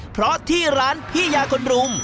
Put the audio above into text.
เพราะที่ร้านพี่ยาคนรุม